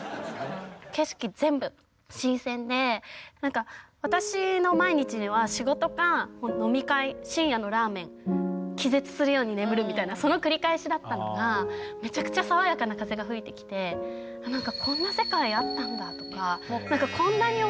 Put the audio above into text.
景色全部新鮮でなんか私の毎日では仕事か飲み会深夜のラーメン気絶するように眠るみたいなその繰り返しだったのがめちゃくちゃ爽やかな風が吹いてきてやりました。